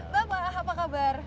bapak apa kabar